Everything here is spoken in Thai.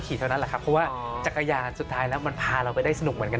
คุณผู้ชมไม่เจนเลยค่ะถ้าลูกคุณออกมาได้มั้ยคะ